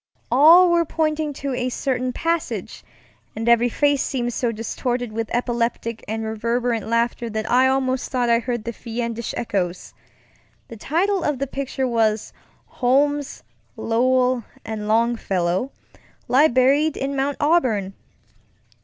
All were pointing to a certain passage, and every face seemed so distorted with epileptic and reverberant laughter that I almost thought I heard the fiendish echoes. The title of the picture was, Holmes, Lowell, and Longfellow Lie Buried in Mount Auburn.